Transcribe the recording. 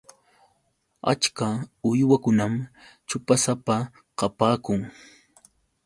Achka uywakunam ćhupasapa kapaakun.